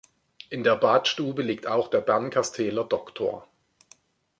In der Badstube liegt auch der Bernkasteler Doctor.